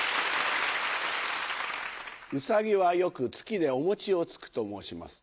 ウサギはよく月でお餅をつくと申します。